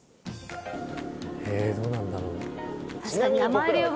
ええどうなんだろう。